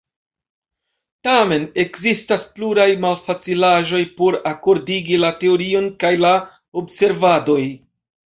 Tamen, ekzistas pluraj malfacilaĵoj por akordigi la teorion kaj la observadoj.